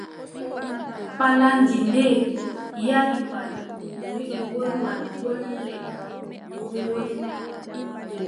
Pallaandi nde yari mbal, wiʼi wolwan bolle mboodi.